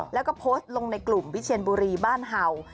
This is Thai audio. แล้วก็โพสต์ลงในกลุ่มวิเชียนบุรีบ้านเห่า